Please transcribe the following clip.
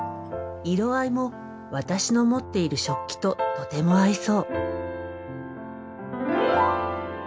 色合いも私の持っている食器ととても合いそう。